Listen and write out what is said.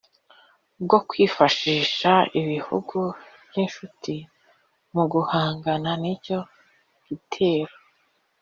bwo kwifashisha ibihugu by'inshuti mu guhangana n'icyo gitero?